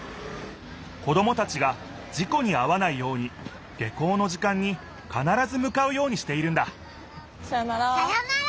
子どもたちが事故にあわないように下校の時間にかならずむかうようにしているんださようなら。